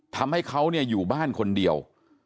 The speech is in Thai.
ทำให้เขาอยู่บ้านคนเดียว